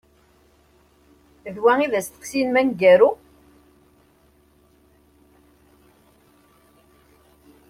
D wa i d asteqsi-inem aneggaru?